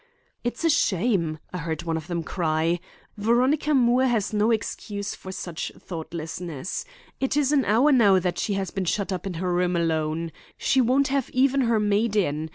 "'It's a shame!' I heard one of them cry. 'Veronica Moore has no excuse for such thoughtlessness. It is an hour now that she has been shut up in her room alone. She won't have even her maid in.